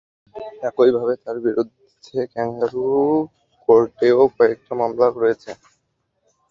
একইভাবে তার বিরুদ্ধে ক্যাঙ্গারু কোর্টেও কয়েকটা মামলা রয়েছে।